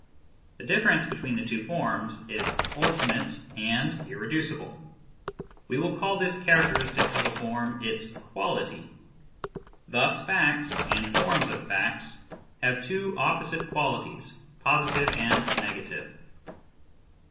The difference between the two forms is ultimate and irreducible. We will call this characteristic of a form its quality. Thus facts, and forms of facts, have two opposite qualities, positive and negative.